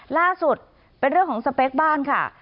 ล่าสุดเป็นเรื่องของสเปคบ้านค่ะ